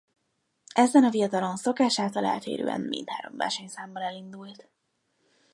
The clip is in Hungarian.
Ezen a viadalon szokásától eltérően mindhárom versenyszámban elindult.